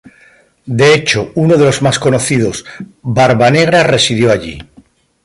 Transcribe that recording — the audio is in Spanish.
De hecho, uno de los más conocidos, Barbanegra residió allí.